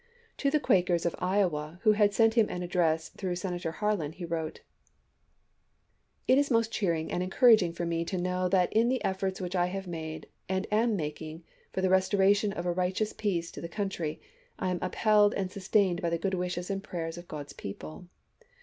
To the Quakers of Iowa, who had sent him an address through Sena tor Harlan, he wrote : It is most cheering and encouraging for me to know that in the efforts which I have made, and am making, for the restoration of a righteous peace to our country, I am upheld and sustained by the good wishes and prayers of God's people.